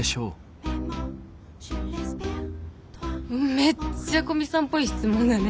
めっちゃ古見さんっぽい質問だね。